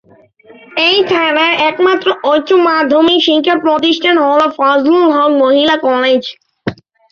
এই থানা একমাত্র উচ্চমাধ্যমিক শিক্ষাপ্রতিষ্ঠান হলো ফজলুল হক মহিলা কলেজ।